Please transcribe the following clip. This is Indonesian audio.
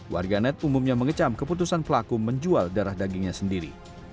warganet umumnya mengecam keputusan pelaku menjual darah dagingnya sendiri